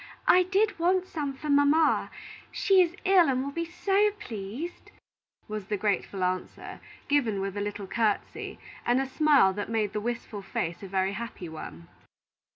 I did want some for mamma. She is ill, and will be so pleased," was the grateful answer, given with a little courtesy, and a smile that made the wistful face a very happy one.